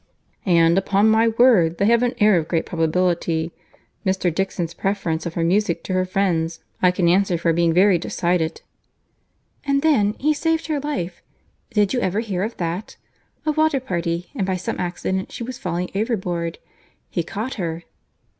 "And, upon my word, they have an air of great probability. Mr. Dixon's preference of her music to her friend's, I can answer for being very decided." "And then, he saved her life. Did you ever hear of that?—A water party; and by some accident she was falling overboard. He caught her."